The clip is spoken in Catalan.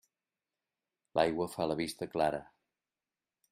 L'aigua fa la vista clara.